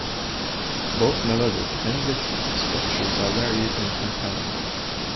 Both melodic and rhythmic structures are varied and compelling.